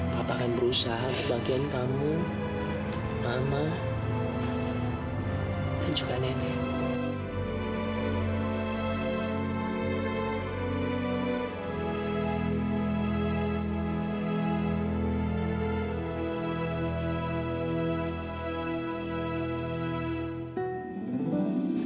papa kan berusaha berbagian kamu mama dan juga nenek